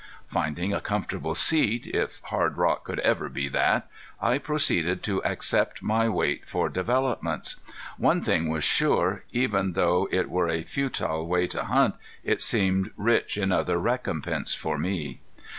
Finding a comfortable seat, if hard rock could ever be that, I proceeded to accept my wait for developments. One thing was sure even though it were a futile way to hunt it seemed rich in other recompense for me.